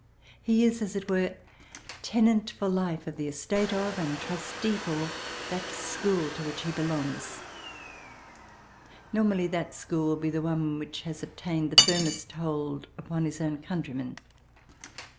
He is, as it were, tenant for life of the estate of and trustee for that school to which he belongs. Normally, that school will be the one which has obtained the firmest hold upon his own countrymen.